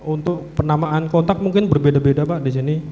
untuk penamaan kontak mungkin berbeda beda pak di sini